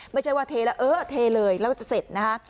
ไม่ใช่ว่าเทแล้วเทเลยแล้วก็จะเสร็จ